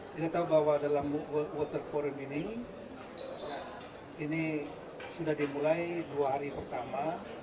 kita tahu bahwa dalam water forum ini ini sudah dimulai dua hari pertama